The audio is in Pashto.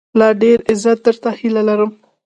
لا ډېر عزت، درته هيله لرم